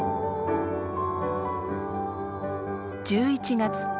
１１月。